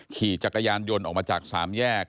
ขี่จักรยานยนต์ออกมาจาก๓แยก